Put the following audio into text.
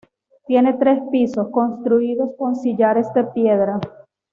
Tiene tres pisos, construidos con sillares de piedra.